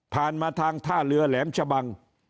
มาทางท่าเรือแหลมชะบัง